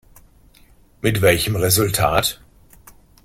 Mit welchem Resultat?